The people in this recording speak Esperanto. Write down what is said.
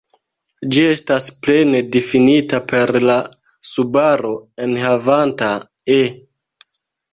Ĝi estas plene difinita per la subaro enhavanta "e".